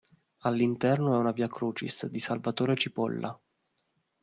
All'interno è una "Via Crucis" di Salvatore Cipolla.